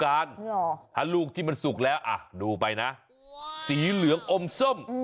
ถ้าลูกที่มันสุกแล้วอ่ะดูไปนะสีเหลืองอมส้ม